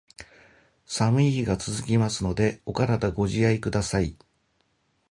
寒い日が続きますので、お体ご自愛下さい。